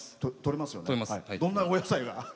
どんなお野菜が？